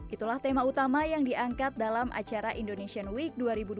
itulah tema utama yang diangkat dalam acara indonesian week dua ribu dua puluh